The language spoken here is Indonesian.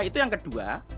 itu yang kedua